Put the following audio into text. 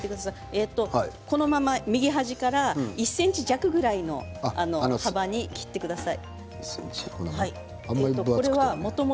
右端から１ｃｍ弱ぐらいの幅に切ってください。